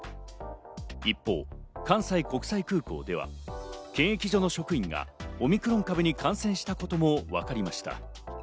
一方、関西国際空港では、検疫所の職員がオミクロン株に感染したこともわかりました。